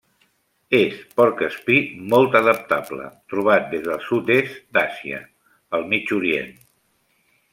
És porc espí molt adaptable, trobat des del sud-est d'Àsia, el Mig Orient.